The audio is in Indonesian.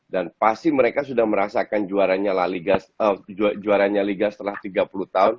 dan pasti mereka sudah merasakan juaranya liga setelah tiga puluh tahun